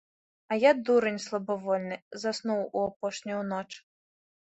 А я, дурань слабавольны, заснуў у апошнюю ноч.